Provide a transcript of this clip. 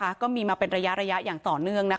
ก็มีมาเป็นระยะระยะอย่างต่อเนื่องนะคะ